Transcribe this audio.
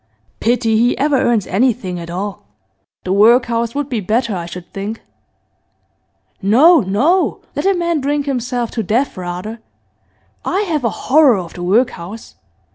Pity he ever earns anything at all. The workhouse would be better, I should think.' 'No, no! Let a man drink himself to death rather. I have a horror of the workhouse.